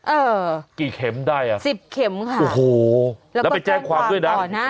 เออกี่เข็มได้อ่ะสิบเข็มค่ะโอ้โหแล้วก็แจ้งความด้วยนะแล้วก็แจ้งความก่อนน่ะ